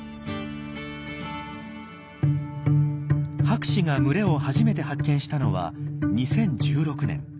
博士が群れを初めて発見したのは２０１６年。